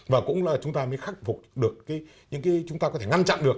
và cũng là chúng ta mới khắc phục được chúng ta có thể ngăn chặn được